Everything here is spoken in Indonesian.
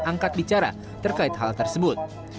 angkat bicara terkait hal tersebut